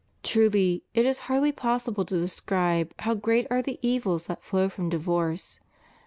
Truly, it is hardly possible to describe how great are the evils that flow from divorce.